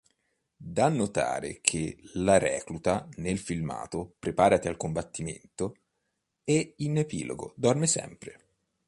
Da notare che "La recluta"nel filmato "preparati al combattimento" e in "epilogo" dorme sempre.